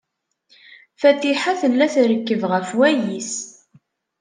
Fatiḥa tella trekkeb ɣef wayis.